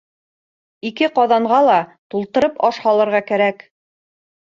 Ике ҡаҙанға ла тултырып аш һалырға кәрәк.